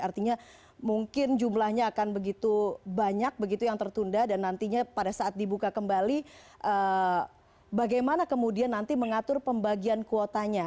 artinya mungkin jumlahnya akan begitu banyak begitu yang tertunda dan nantinya pada saat dibuka kembali bagaimana kemudian nanti mengatur pembagian kuotanya